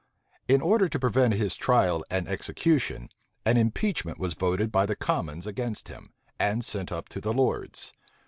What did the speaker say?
In order to prevent his trial and execution, an impeachment was voted by the commons against him, and sent up to the lords.